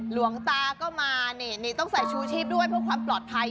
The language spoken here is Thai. หลวงตาก็มานี่ต้องใส่ชูชีพด้วยเพื่อความปลอดภัย